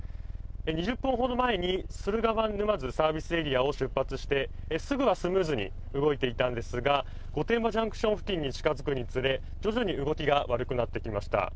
２０分ほど前に駿河湾沼津サービスエリアを出発してすぐはスムーズに動いていたんですが、御殿場ジャンクション付近に近づくにつれ徐々に動きが悪くなってきました。